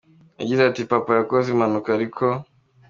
yagize ati, Papa yakoze impanuka ariko.